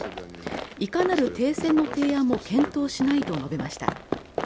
いかなる停戦の提案も検討しないと述べました